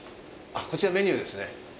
こちら、メニューですね。